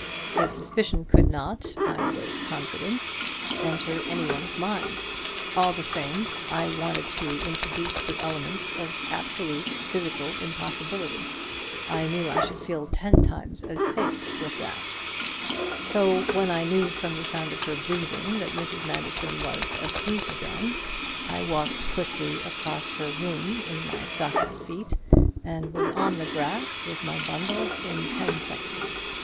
The suspicion could not, I was confident, enter any one's mind. All the same, I wanted to introduce the element of absolute physical impossibility; I knew I should feel ten times as safe with that. "So when I knew from the sound of her breathing that Mrs. Manderson was asleep again I walked quickly across her room in my stocking feet and was on the grass with my bundle in ten seconds.